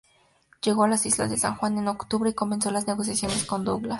Llegó a las Islas San Juan en octubre y comenzó las negociaciones con Douglas.